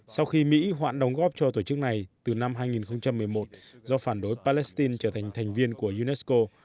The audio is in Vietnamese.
sau khi mỹ hoãn đóng góp cho tổ chức này từ năm hai nghìn một mươi một do phản đối palestine trở thành thành viên của unesco